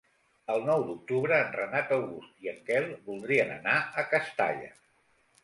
El nou d'octubre en Renat August i en Quel voldrien anar a Castalla.